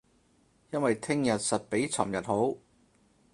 因為聼日實比尋日好